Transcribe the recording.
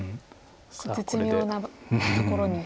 絶妙なところに。